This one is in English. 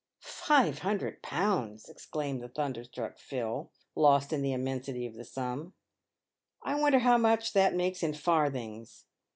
" Eive hundred pounds 1" exclaimed the thunderstruck Phil, lost 54 PAYED WITH GOLD. in the immensity of the sum. " I wonder how much that makes in farthings